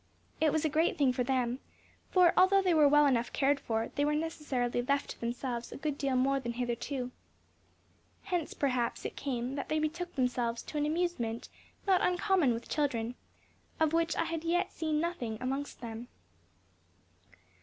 It was a great thing for them; for, although they were well enough cared for, they were necessarily left to themselves a good deal more than hitherto. Hence, perhaps, it came that they betook themselves to an amusement not uncommon with children, of which I had as yet seen nothing amongst them.